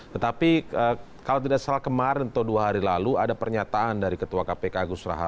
tetapi kalau tidak salah kemarin atau dua hari lalu ada pernyataan dari ketua kpk gusra harjo yang menyatakan bahwa